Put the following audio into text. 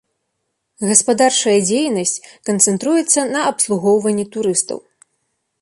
Гаспадарчая дзейнасць канцэнтруецца на абслугоўванні турыстаў.